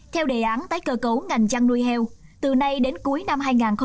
theo đề án tái cơ cấu ngành chăn nuôi heo từ nay đến cuối năm hai nghìn hai mươi